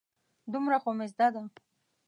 دومره خو مې زده ده.